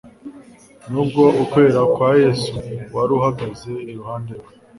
Nubwo ukwera kwa Yesu wari uhagaze iruhande rwe